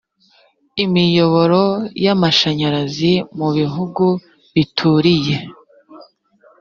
imiyoboro y amashanyarazi mu bihugu bituriye